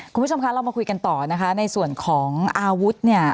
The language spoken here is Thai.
คุณผู้ชมคะเรามาคุยกันต่อนะคะในส่วนของอาวุธเนี่ย